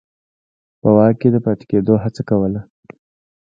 په واک کې د پاتې کېدو هڅه کوله.